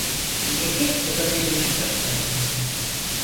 Bereket oda birinci kattaydı.